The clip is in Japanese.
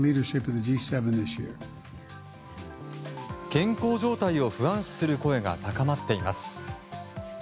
健康状態を不安視する声が高まっています。